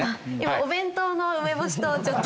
お弁当の梅干しとちょっと。